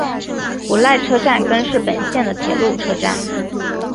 古濑车站根室本线的铁路车站。